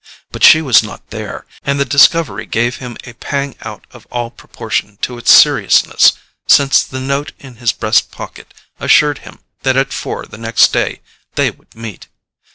But she was not there, and the discovery gave him a pang out of all proportion to its seriousness; since the note in his breast pocket assured him that at four the next day they would meet.